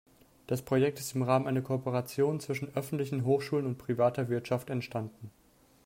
Das Projekt ist im Rahmen einer Kooperation zwischen öffentlichen Hochschulen und privater Wirtschaft entstanden.